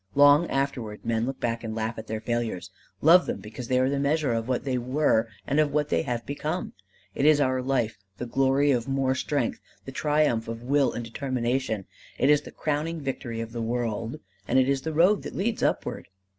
Long afterwards men look back and laugh at their failures, love them because they are the measure of what they were and of what they have become. It is our life, the glory of more strength, the triumph of will and determination. It is the crowning victory of the world. And it is the road that leads upward.